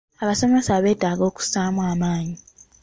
Abasomesa beetaaga okuzzaamu amaanyi?